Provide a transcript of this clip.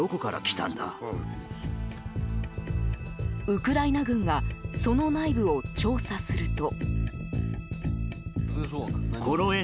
ウクライナ軍がその内部を調査すると。